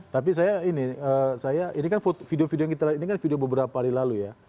tapi saya ini saya ini kan video video yang kita lihat ini kan video beberapa hari lalu ya